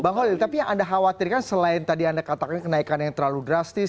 bang holil tapi yang anda khawatirkan selain tadi anda katakan kenaikan yang terlalu drastis